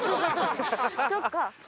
そっか。